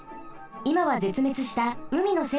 いまはぜつめつしたうみのせいぶつです。